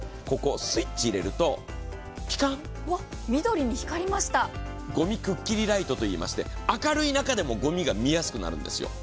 ここ、スイッチを入れるとピカッごみくっきりライトといいまして明るい中でもごみが見やすくなるんです。